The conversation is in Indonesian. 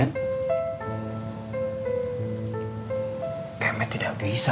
kayaknya tidak bisa